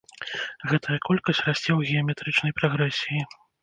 Гэтая колькасць расце ў геаметрычнай прагрэсіі.